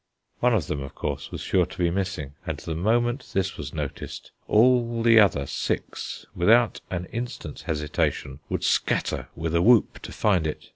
One of them, of course, was sure to be missing, and the moment this was noticed all the other six, without an instant's hesitation, would scatter with a whoop to find it.